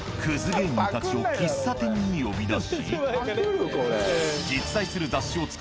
芸人たちを喫茶店に呼び出し。